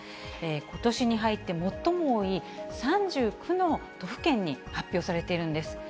ことしに入って最も多い３９の都府県に発表されているんです。